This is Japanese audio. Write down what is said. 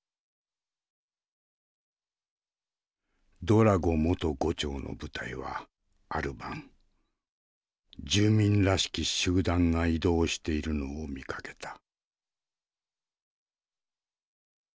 ドラゴ元伍長の部隊はある晩住民らしき集団が移動しているのを見かけた。